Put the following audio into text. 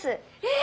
え！？